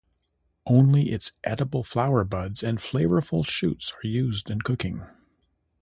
Only its edible flower buds and flavorful shoots are used in cooking.